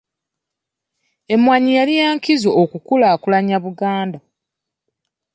Emmwanyi yali ya nkizo okukulaakulanya Buganda.